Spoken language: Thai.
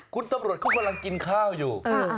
คุณตำรวจเขากำลังกินข้าวอยู่